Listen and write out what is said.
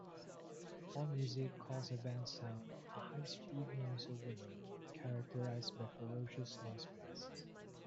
AllMusic calls the band's sound a "high-speed noise overload" characterized by "ferocious noise blasts.